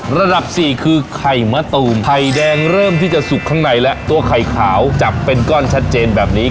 ระดับสี่คือไข่มะตูมไข่แดงเริ่มที่จะสุกข้างในแล้วตัวไข่ขาวจับเป็นก้อนชัดเจนแบบนี้